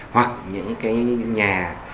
hoặc những cái nhà